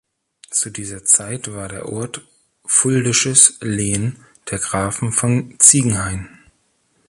Zu dieser Zeit war der Ort fuldisches Lehen der Grafen von Ziegenhain.